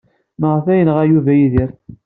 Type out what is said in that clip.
Maɣef ay yenɣa Yuba Yidir?